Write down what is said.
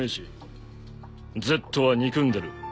Ｚは憎んでる。